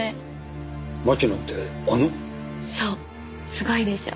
すごいでしょ。